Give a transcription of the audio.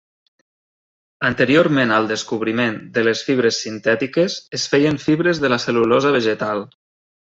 Anteriorment al descobriment de les fibres sintètiques es feien fibres de la cel·lulosa vegetal.